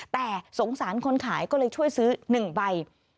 แต่สงสารคนขายก็เลยช่วยซื้อ๑ใบ